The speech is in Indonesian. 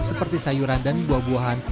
seperti sayuran dan buah buahan